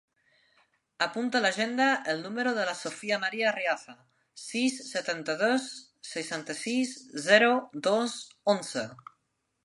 Apunta a l'agenda el número de la Sofia maria Arriaza: sis, setanta-dos, seixanta-sis, zero, dos, onze.